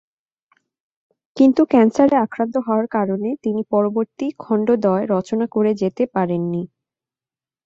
কিন্তু ক্যান্সারে আক্রান্ত হওয়ার কারণে তিনি পরবর্তী খণ্ডদ্বয় রচনা করে যেতে পারেন নি।